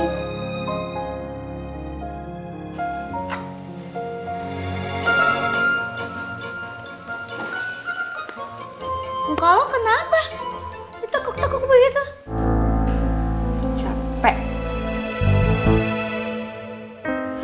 nunggah lo kan napa itict kaktiq begitu di capandu